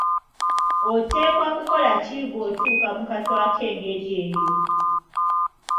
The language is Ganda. Oteekwa kukola ki bw'otuuka mu kattu ak'engeri eyo?